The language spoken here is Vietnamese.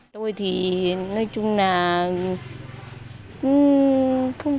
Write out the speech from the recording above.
tôi thì nói chung là